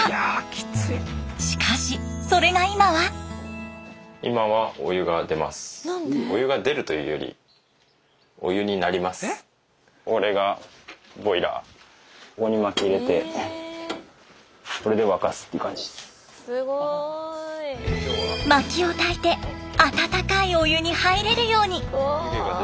しかしそれが今は。まきをたいて温かいお湯に入れるように。